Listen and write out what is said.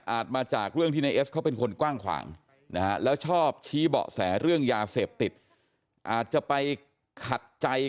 อาจมาจากเรื่องที่ไนเอสเข้าเป็นคนกว้างขวางนะคะแล้วชอบชี้เบาะแสเรื่องยาเสพติด